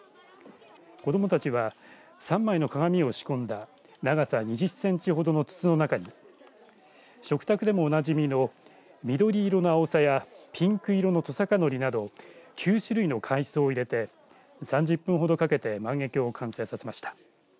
子どもたちは３枚の鏡を仕込んだ長さ２０センチほどの筒の中に食卓でもおなじみの緑色のアオサやピンク色のトサカノリなど９種類の海藻を入れて３０分ほどかけて万華鏡を完成させました。